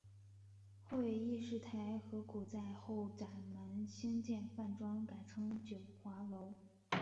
后与邰氏合股在后宰门兴建饭庄改称九华楼。